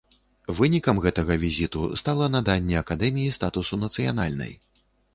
Вынікам гэтага візіту стала наданне акадэміі статусу нацыянальнай.